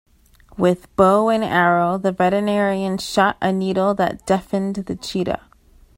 With bow and arrow the veterinarian shot a needle that deafened the cheetah.